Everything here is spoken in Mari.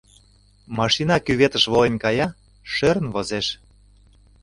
Машина кюветыш волен кая, шӧрын возеш.